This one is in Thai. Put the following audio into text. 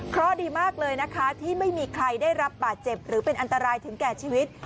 เพราะดีมากเลยนะคะที่ไม่มีใครได้รับบาดเจ็บหรือเป็นอันตรายถึงแก่ชีวิต